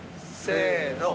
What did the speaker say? せの。